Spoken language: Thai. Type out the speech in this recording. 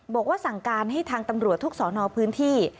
บอกว่าสั่งการให้ทางตำรวจทุกสอนอพื้นที่